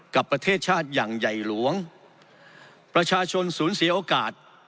กับประเทศชาติอย่างใหญ่หลวงประชาชนสูญเสียโอกาส